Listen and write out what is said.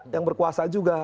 yang berkuasa juga